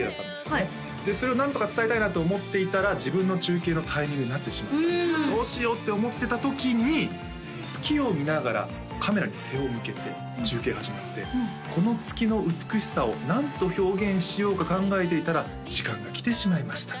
はいでそれを何とか伝えたいなと思っていたら自分の中継のタイミングになってしまったんですよどうしようって思ってた時に月を見ながらカメラに背を向けて中継始まって「この月の美しさを何と表現しようか考えていたら」「時間がきてしまいました」